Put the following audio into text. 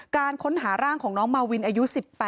การค้นหาร่างของน้องมาวินอายุ๑๘